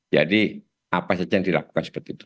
jadi apa saja yang dilakukan seperti itu